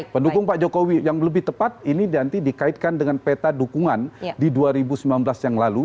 pendukung pak jokowi yang lebih tepat ini nanti dikaitkan dengan peta dukungan di dua ribu sembilan belas yang lalu